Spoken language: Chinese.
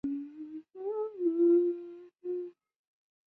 娆灰蝶族是灰蝶科线灰蝶亚科里的一个族。